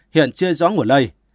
hiện chưa rõ ngủ lây